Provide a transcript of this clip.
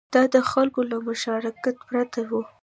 دا د خلکو له مشارکت پرته و